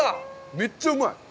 めっちゃうまい！